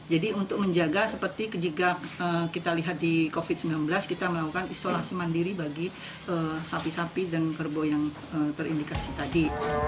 jadi untuk menjaga seperti kejigak kita lihat di covid sembilan belas kita melakukan isolasi mandiri bagi sapi sapi dan kerbo yang terindikasi tadi